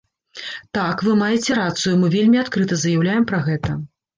Так, вы маеце рацыю, мы вельмі адкрыта заяўляем пра гэта.